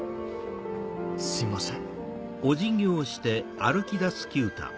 すいません。